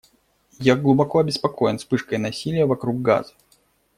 Я глубоко обеспокоен вспышкой насилия вокруг Газы.